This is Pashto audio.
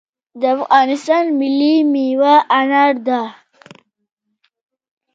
د افغانستان ملي میوه انار ده